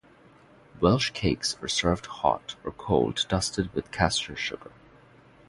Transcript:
Welsh cakes are served hot or cold dusted with caster sugar.